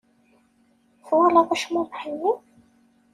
Twalaḍ acmumeḥ-nni?